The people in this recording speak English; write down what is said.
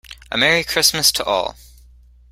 A Merry Christmas to all!